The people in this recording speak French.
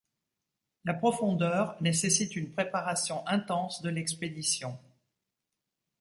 La profondeur nécessite une préparation intense de l'expédition.